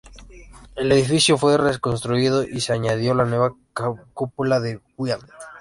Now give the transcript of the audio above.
El edificio fue reconstruido y se añadió la nueva cúpula de Wyatt.